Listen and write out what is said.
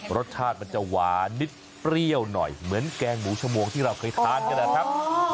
รสชาติมันจะหวานนิดเปรี้ยวหน่อยเหมือนแกงหมูชมวงที่เราเคยทานกันนะครับ